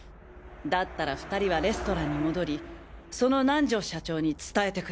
だったら２人はレストランに戻りその南條社長に伝えてくれ。